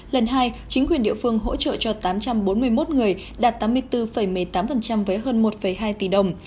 lần hai chính quyền địa phương hỗ trợ cho tám trăm bốn mươi một người đạt tám mươi bốn một mươi tám với hơn một hai tỷ đồng